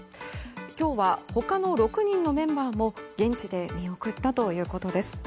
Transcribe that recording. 今日は他の６人のメンバーも現地で見送ったということです。